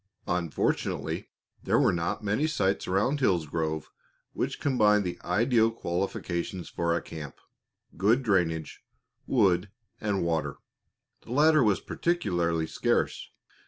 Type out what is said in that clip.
Unfortunately, there were not many sites around Hillsgrove which combined the ideal qualifications for a camp good drainage, wood, and water. The latter was particularly scarce.